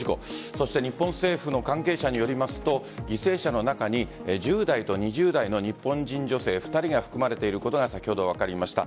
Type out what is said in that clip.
そして日本政府の関係者によりますと犠牲者の中に１０代と２０代の日本人女性２人が含まれていることが先ほど、分かりました。